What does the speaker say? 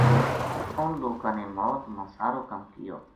اُنھ لوکاں نے موت ما سارو کم کیو